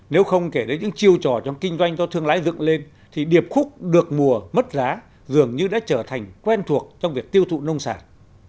nếu không kể đến những chiêu trò trong kinh doanh do thương lái dựng lên thì điệp khúc được mùa mất giá dường như đã trở thành quen thuộc trong việc tiêu thụ nông sản